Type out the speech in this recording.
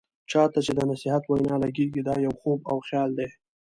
چا ته چې د نصيحت وینا لګیږي، دا يو خوب او خيال دی.